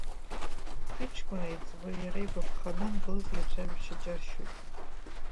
Сыҷкән еиҵбы, иара игәаԥхан, англызла ицәажәашьа џьаршьоит.